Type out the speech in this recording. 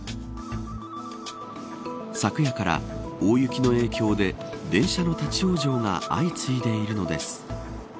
昨夜から大雪の影響で電車の立ち往生が相次いでいるのです。